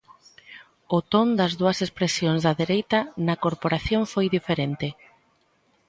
O ton das dúas expresións da dereita na corporación foi diferente.